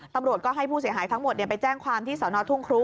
ตำรวจก็ให้ผู้เสียหายทั้งหมดไปแจ้งความที่สนทุ่งครู